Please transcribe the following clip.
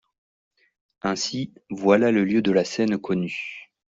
Ainsi, voilà le lieu de la scène connu.